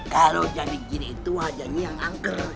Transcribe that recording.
kalau jadi gini itu wajahnya yang angker